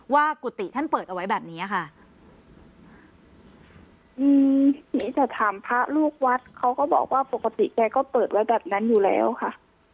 กุฏิท่านเปิดเอาไว้แบบเนี้ยค่ะอืมทีนี้แต่ถามพระลูกวัดเขาก็บอกว่าปกติแกก็เปิดไว้แบบนั้นอยู่แล้วค่ะ